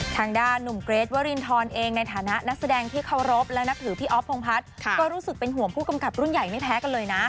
ทางด้านหนุ่มเกรทวรินทรเองในฐานะนักแสดงที่เคารพและนับถือพี่อ๊อฟพงพัฒน์ก็รู้สึกเป็นห่วงผู้กำกับรุ่นใหญ่ไม่แพ้กันเลยนะ